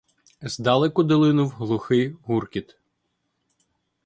Здалеку долинув глухий гуркіт.